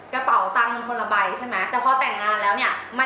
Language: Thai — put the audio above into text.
กระเป๋าตั้งคนละใบใช่ไหม